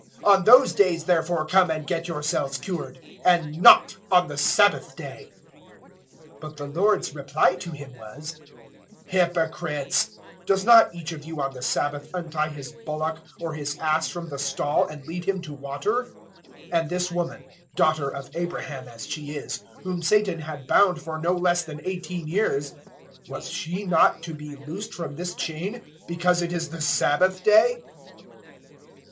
On those days therefore come and get yourselves cured, and not on the Sabbath day." 013:015 But the Lord's reply to him was, "Hypocrites, does not each of you on the Sabbath untie his bullock or his ass from the stall and lead him to water? 013:016 And this woman, daughter of Abraham as she is, whom Satan had bound for no less than eighteen years, was she not to be loosed from this chain because it is the Sabbath day?"